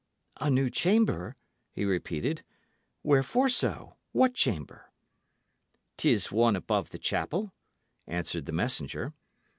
"A new chamber?" he repeated. "Wherefore so? What chamber?" "'Tis one above the chapel," answered the messenger.